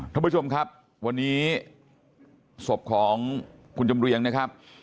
ท่านผู้ชมครับวันนี้ศพของคุณจำเรียงนะครับ